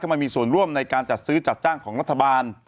มามีส่วนร่วมในการจัดซื้อจัดจ้างของรัฐบาล